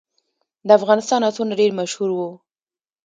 د افغانستان آسونه ډیر مشهور وو